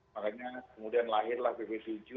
makanya kemudian lahirlah bp tujuh